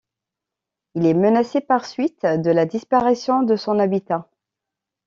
Il est menacé par suite de la disparition de son habitat.